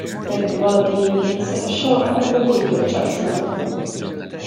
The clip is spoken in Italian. Per il ruolo di Higgins, Shaw avrebbe voluto Charles Laughton.